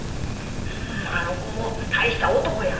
うんあの子も大した男や。